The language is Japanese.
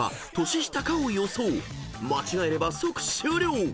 ［間違えれば即終了］